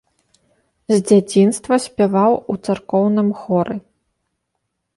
З дзяцінства спяваў у царкоўным хоры.